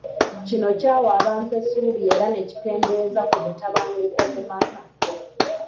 Kino kyawa abantu essuubi era ne kikendeeza ku butabanguko mu maka.